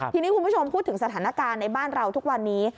ทีนี้คุณผู้ชมพูดถึงสถานการณ์ในบ้านเราทุกวันนี้